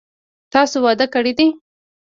تاسو واده کړی دی؟